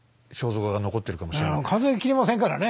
数えきれませんからね。